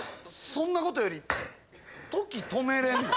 そんなことより時止めれんの？